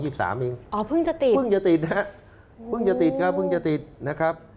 อ๋อเพิ่งจะติดนะครับเพิ่งจะติดครับเพิ่งจะติดนะครับ